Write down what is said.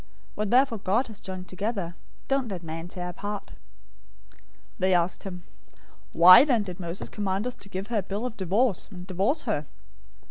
What therefore God has joined together, don't let man tear apart." 019:007 They asked him, "Why then did Moses command us to give her a bill of divorce, and divorce her?"